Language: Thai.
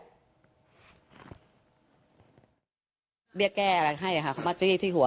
เรียกแก้อะไรให้ค่ะเขามาจี้ที่หัว